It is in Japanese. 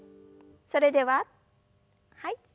それでははい。